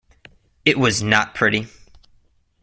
It was not pretty.